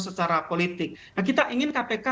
secara politik nah kita ingin kpk